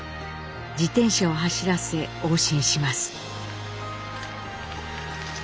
自転車を走らせ往診します。